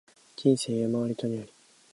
人生山あり谷あり